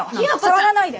触らないで！